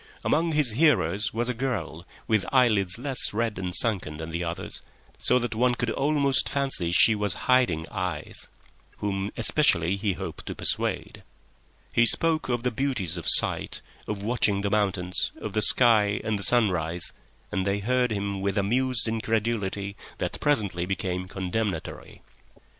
Among his hearers was a girl, with eyelids less red and sunken than the others, so that one could almost fancy she was hiding eyes, whom especially he hoped to persuade. He spoke of the beauties of sight, of watching the mountains, of the sky and the sunrise, and they heard him with amused incredulity that presently became condemnatory.